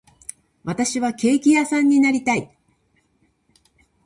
私はケーキ屋さんになりたい